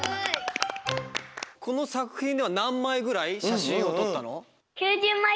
このさくひんではなんまいぐらいしゃしんをとったの？え！？